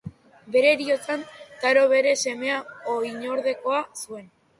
Bere heriotzan Taro bere semea oinordekoa zuen.